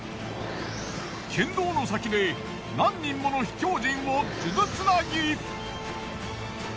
県道の先で何人もの秘境人を数珠つなぎ。